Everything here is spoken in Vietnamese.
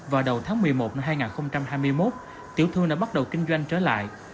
vào đầu tháng một mươi một năm hai nghìn hai mươi một tiểu thương đã bắt đầu kinh doanh trở lại